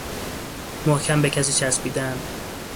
محکم به کسی چسبیدن